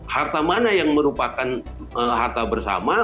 harta mana yang merupakan harta bersama